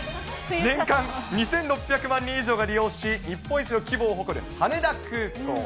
年間２６００万人以上が利用し、日本一の規模を誇る羽田空港。